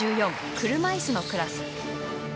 車いすのクラス。